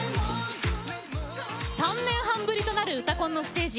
３年半ぶりとなる「うたコン」のステージ。